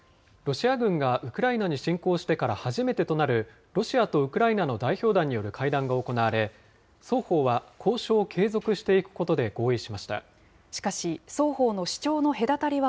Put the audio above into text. ロシア軍がウクライナに侵攻してから初めてとなる、ロシアとウクライナの代表団による会談が行われ、双方は交渉を継続していくことで合意しました。